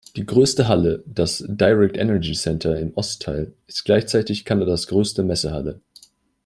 Die größte Halle, das "Direct Energy Centre" im Ostteil, ist gleichzeitig Kanadas größte Messehalle.